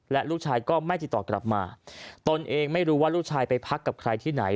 และลูกชายก็ไม่ติดต่อกลับมาตนเองไม่รู้ว่าลูกชายไปพักกับใครที่ไหน